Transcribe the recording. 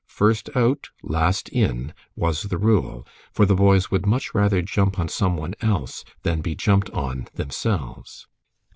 "First out, last in," was the rule, for the boys would much rather jump on some one else than be jumped on themselves.